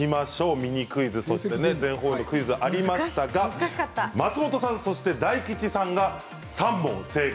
ミニクイズそしてクイズがありましたが、松本さん大吉さんが３問正解。